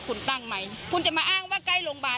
เกิดว่าจะต้องมาตั้งโรงพยาบาลสนามตรงนี้